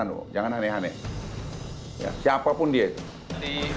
amin bersama tim mengatakan akan bertemu presiden jokowi menyampaikan data soal proyek reklamasi